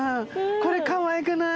これかわいくない？